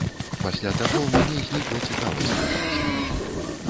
Пасля таго ў мяне знікла цікавасць да жыцця.